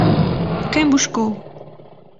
Quem buscou?